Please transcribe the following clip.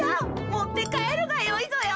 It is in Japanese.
もってかえるがよいぞよ。